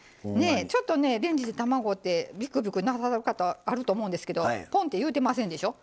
ちょっとねレンジで卵ってびくびくなさる方あると思うんですけどポンっていうてませんでしょ。